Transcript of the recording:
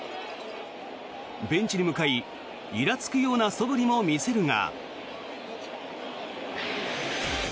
ベンチに向かいいらつくようなそぶりも見せるが。